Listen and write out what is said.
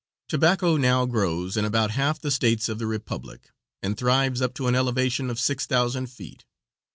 Tobacco now grows in about half the states of the Republic, and thrives up to an elevation of six thousand feet.